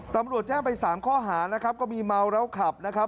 ตำรวจแจ้งไป๓ข้อหานะครับก็มีเมาแล้วขับนะครับ